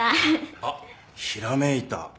あっひらめいた。